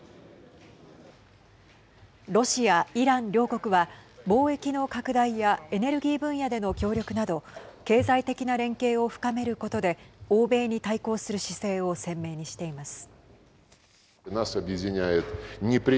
ロシア、イラン両国は貿易の拡大やエネルギー分野での協力など経済的な連携を深めることで欧米に対抗する姿勢を鮮明にしています。